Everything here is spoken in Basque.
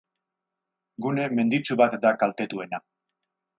Gune menditsu bat da kaltetuena.